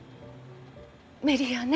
無理よね。